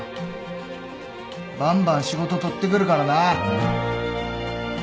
ばんばん仕事取ってくるからな。